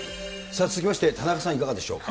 続きまして、田中さん、いかがでしょうか。